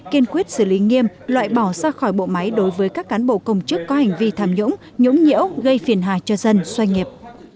kiên quyết xử lý nghiêm loại bỏ ra khỏi bộ máy đối với các cán bộ công chức có hành vi tham nhũng nhũng nhiễu gây phiền hà cho dân xoay nghiệp